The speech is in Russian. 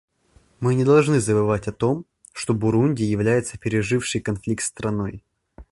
Мы не должны забывать о том, что Бурунди является пережившей конфликт страной.